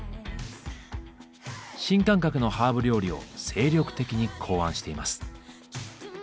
新感覚のハーブ料理を精力的に考案しています。